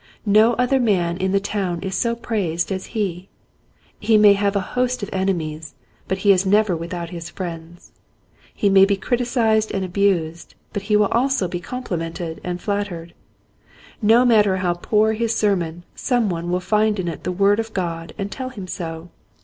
No other man in the town is so praised as he. He may have a host of enemies but he is never without his friends. He may be criticised and abused, but he will also be complimented and flattered. No matter how poor his sermon some one will find in it the word of God and tell him so.